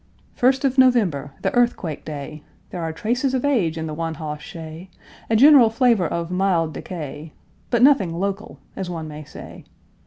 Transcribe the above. FIRST OF NOVEMBER, The Earthquake day There are traces of age in the one hoss shay, A general flavor of mild decay, But nothing local, as one may say.